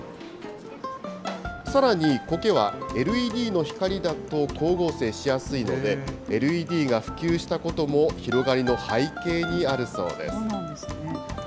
さらに、苔はＬＥＤの光だと光合成しやすいので、ＬＥＤが普及したことも広がりの背景にあるそうです。